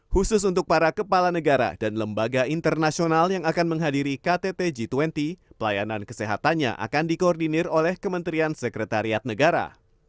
khusus untuk para kepala negara dan lembaga internasional yang akan menghadiri ktt g dua puluh pelayanan kesehatannya akan dikoordinir oleh kementerian sekretariat negara